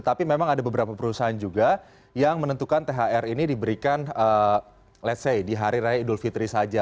tapi memang ada beberapa perusahaan juga yang menentukan thr ini diberikan ⁇ lets ⁇ say di hari raya idul fitri saja